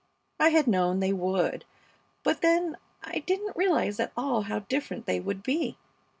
I had known they would, but then I didn't realize at all how different they would be.